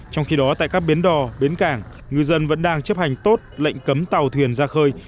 trong khi đó tại các biến đò biến cảng người dân vẫn đang chấp hành tốt lệnh cấm tàu thuyền ra khơi